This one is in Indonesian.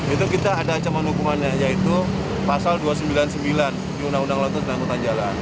itu kita ada acaman hubungannya yaitu pasal dua ratus sembilan puluh sembilan di undang undang lautus dan hutan jalan